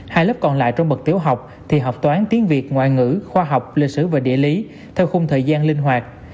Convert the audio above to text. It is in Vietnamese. hai lớp còn lại trong bậc tiểu học thì học toán tiếng việt ngoại ngữ khoa học lịch sử và địa lý theo khung thời gian linh hoạt